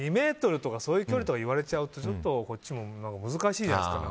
２ｍとかそういう距離とか言われちゃうとちょっとこっちも難しいじゃないですか。